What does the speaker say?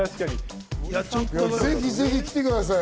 ぜひぜひ、来てください！